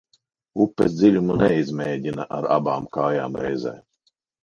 Upes dziļumu neizmēģina ar abām kājām reizē.